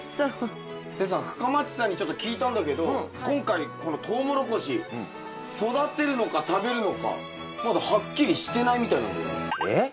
でさ深町さんにちょっと聞いたんだけど今回このトウモロコシまだはっきりしてないみたいなんだよね。